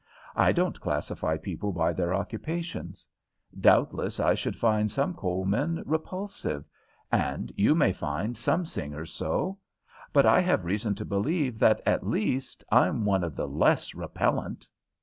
I don't classify people by their occupations. Doubtless I should find some coal men repulsive, and you may find some singers so. But I have reason to believe that, at least, I'm one of the less repellent."